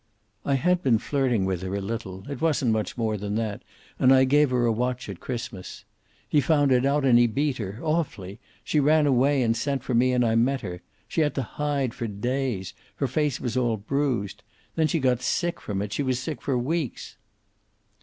"I had been flirting with her a little it wasn't much more than that, and I gave her a watch at Christmas. He found it out, and he beat her. Awfully. She ran away and sent for me, and I met her. She had to hide for days. Her face was all bruised. Then she got sick from it. She was sick for weeks."